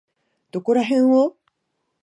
どこらへんを？